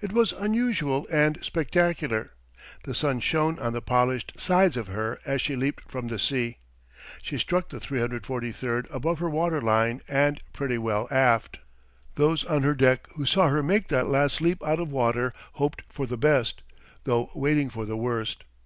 It was unusual and spectacular. The sun shone on the polished sides of her as she leaped from the sea. She struck the 343 above her water line and pretty well aft. Those on her deck who saw her make that last leap out of water hoped for the best, though waiting for the worst.